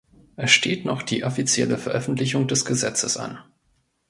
Es steht noch die offizielle Veröffentlichung des Gesetzes an.